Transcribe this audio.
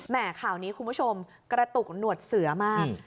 ข่าวนี้คุณผู้ชมกระตุกหนวดเสือมาก